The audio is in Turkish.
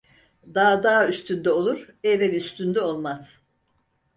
Dağ dağ üstünde olur, ev ev üstünde olmaz.